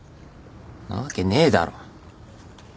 なわけねえだろ！